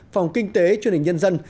phòng kinh tế chương trình nhân dân